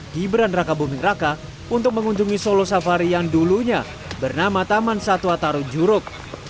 gibran raka buming raka untuk mengunjungi solo safari yang dulunya bernama taman satwa taru juruk